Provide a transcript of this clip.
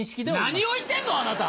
何を言ってんのあなた！